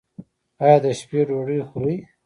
ایا د شپې ډوډۍ خورئ؟